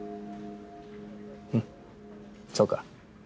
うんそうか。